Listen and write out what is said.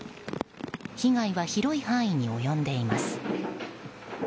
被害は広い範囲に及んでいます。